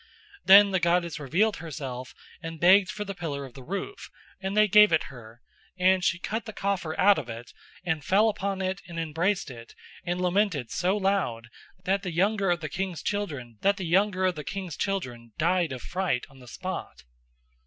Then the goddess revealed herself and begged for the pillar of the roof, and they gave it her, and she cut the coffer out of it, and fell upon it and embraced it and lamented so loud that the younger of the king's children died of fright on the spot.